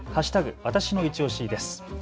わたしのいちオシです。